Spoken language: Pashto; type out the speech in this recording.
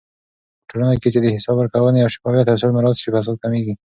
په ټولنه کې چې د حساب ورکونې او شفافيت اصول مراعات شي، فساد کمېږي.